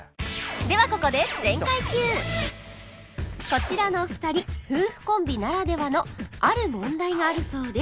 ではここでこちらのお二人夫婦コンビならではのある問題があるそうです